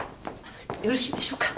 よろしいでしょうか？